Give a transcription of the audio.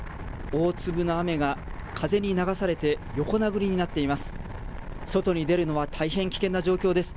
大粒の雨が風に流されて、横殴りになっています。